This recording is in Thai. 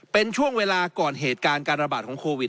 เป็นช่วงเวลาก่อนเหตุการณ์การระบาดของโควิด